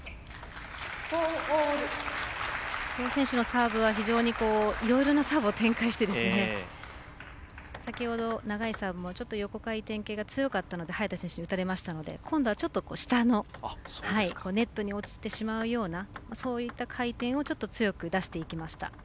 この選手のサーブはいろいろなサーブを展開して、先ほど長いサーブもちょっと横回転系が強かったので早田選手打たれましたので今度は、ちょっと下のネットに落ちてしまうようなそういった回転を強く出していきました。